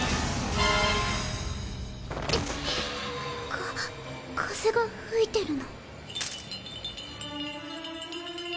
か風が吹いてるの。